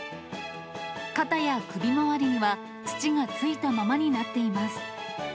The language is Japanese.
肩や首回りには土がついたままになっています。